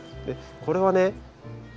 これはね